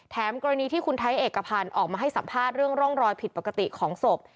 กรณีที่คุณไทยเอกพันธ์ออกมาให้สัมภาษณ์เรื่องร่องรอยผิดปกติของศพ